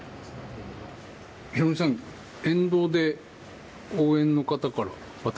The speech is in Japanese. ヒロミさん、沿道で応援の方